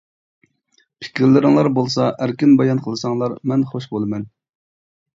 پىكىرلىرىڭلار بولسا ئەركىن بايان قىلساڭلار مەن خوش بولىمەن!